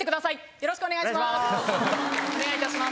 よろしくお願いします。